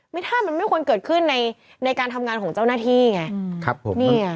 ท่ามันไม่ควรเกิดขึ้นในการทำงานของเจ้าหน้าที่ไง